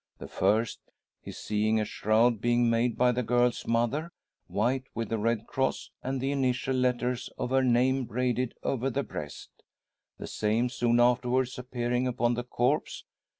The first, his seeing a shroud being made by the girl's mother, white, with a red cross, and the initial letters of her name braided over the breast: the same soon afterwards appearing upon the corpse.